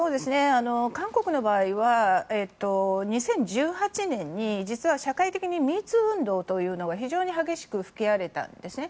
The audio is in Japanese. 韓国の場合は２０１８年に実は、社会的に「＃ＭｅＴｏｏ」運動というのが非常に激しく吹き荒れたんですね。